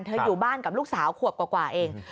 อยู่บ้านกับลูกสาวขวบกว่าเอง